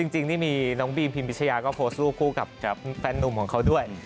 จริงนี่มีน้องบีมพิมพิชยาก็โพสต์รูปคู่กับแฟนนุ่มของเขาด้วย